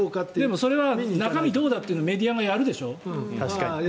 でもそれは中身どうだってメディアがやるでしょ？